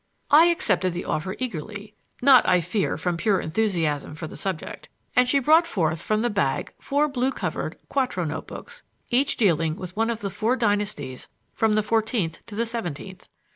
I accepted the offer eagerly (not, I fear, from pure enthusiasm for the subject), and she brought forth from the bag four blue covered, quarto notebooks, each dealing with one of the four dynasties from the fourteenth to the seventeenth.